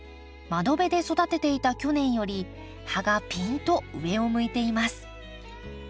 窓辺で育てていた去年より葉がピンと上を向いています